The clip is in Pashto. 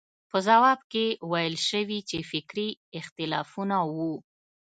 په ځواب کې ویل شوي چې فکري اختلافونه وو.